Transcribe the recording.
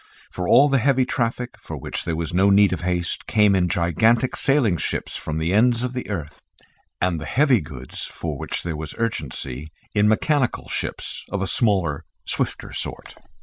For all the heavy traffic, for which there was no need of haste, came in gigantic sailing ships from the ends of the earth, and the heavy goods for which there was urgency in mechanical ships of a smaller swifter sort.